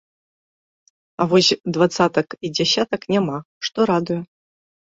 А вось дваццатак і дзясятак няма, што радуе.